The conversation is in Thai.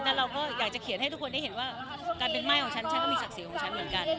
แล้วเราก็อยากจะเขียนให้ทุกคนได้เห็นว่าการเป็นไหม้ของฉันฉันก็มีศักดิ์ศรีของฉันเหมือนกัน